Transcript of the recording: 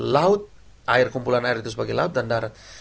laut air kumpulan air itu sebagai laut dan darat